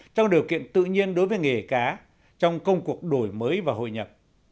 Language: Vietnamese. trong điều kiện tự nhiên đối với nghề cá trong công cuộc đổi mới và hội nhập